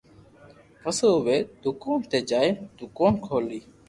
پسو اووي دوڪون تو جائين دوڪون کولوي